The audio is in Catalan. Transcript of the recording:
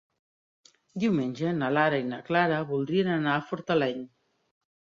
Diumenge na Lara i na Clara voldrien anar a Fortaleny.